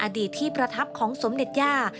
อดีตที่ประทับของสมเด็จย่า